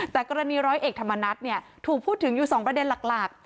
แต่กรณีร้อยเอกธรรมนัฐถูกพูดถึงอยู่๒ประเด็นหลัก